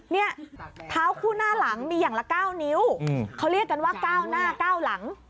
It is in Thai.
นี่ท้าวคู่หน้าหลังมีอย่างละเก้านิ้วเขาเรียกกันว่าเก้าหน้าเก้าหลัง